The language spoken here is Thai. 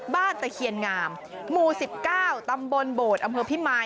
ตะเคียนงามหมู่๑๙ตำบลโบดอำเภอพิมาย